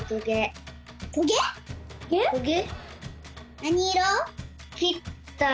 なにいろ？